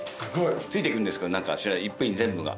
ついてくるんですけど何かいっぺんに全部が。